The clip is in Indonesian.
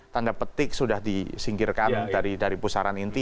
tanda petik sudah disingkirkan dari pusaran inti